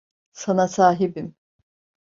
Sana sahibim.